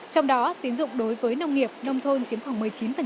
trong đó tín dụng đối với nông nghiệp nông thôn chiếm khoảng một mươi chín